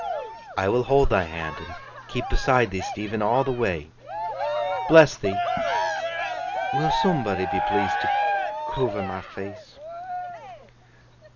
'I will hold thy hand, and keep beside thee, Stephen, all the way.' 'Bless thee! Will soombody be pleased to coover my face!